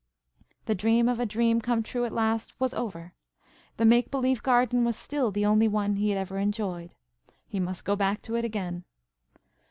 The dream of a dream come true at last, was over. The make believe garden was still the only one he had ever enjoyed. He must go back to it again.